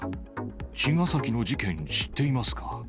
茅ヶ崎の事件、知っていますか。